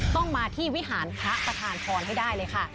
ต้องมาที่วิหารพระประธานพรให้ได้เลยค่ะ